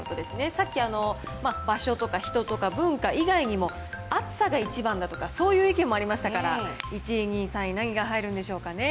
さっき、場所とか人とか文化以外にも、暑さが一番だとか、そういう意見もありましたから、１位、２位、３位、何が入るんでしょうかね。